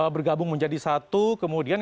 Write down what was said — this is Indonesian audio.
bergabung menjadi satu kemudian